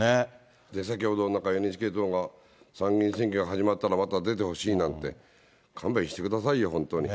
先ほど、ＮＨＫ党が参議院選挙が始まったらまた出てほしいなんて、勘弁してくださいよ、本当に。